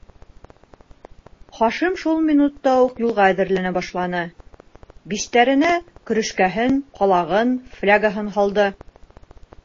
Хашим шул минутта уҡ юлға әҙерләнә башланы: биштәренә көрөшкәһен, ҡалағын, флягаһын һалды.